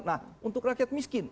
nah untuk rakyat miskin